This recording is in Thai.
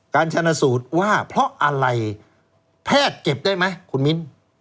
การชนะสูตรว่าเพราะอะไรแพทย์เก็บได้ไหมคุณมิ้น